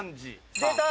出た！